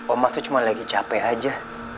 omar tuh cuma lagi capek aja